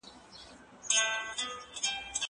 زه به سبا د لوبو لپاره وخت نيسم وم!!